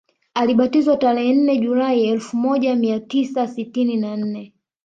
Alibatizwa tarehe nne julai elfu moja mia tisa sitini na nne